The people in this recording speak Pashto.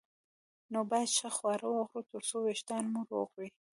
نو باید ښه خواړه وخورو ترڅو وېښتان مو روغ وي